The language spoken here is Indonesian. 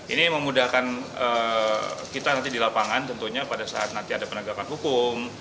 ini memudahkan kita nanti di lapangan tentunya pada saat nanti ada penegakan hukum